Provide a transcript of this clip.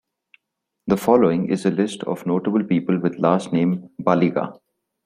The following is a list of notable people with last name Baliga.